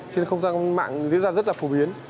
trên không gian mạng diễn ra rất là phổ biến